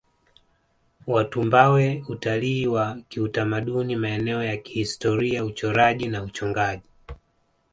Matumbawe Utalii wa kiutamaduni maeneo ya kihistoria uchoraji na uchongaji